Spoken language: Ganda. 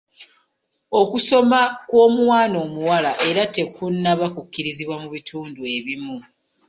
Okusoma kw'omwana omuwala era tekunnaba kukkirizibwa mu bitundu ebimu.